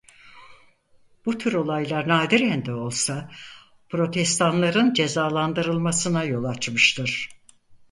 Bu tür olaylar nadiren de olsa Protestanların cezalandırılmasına yol açmıştır.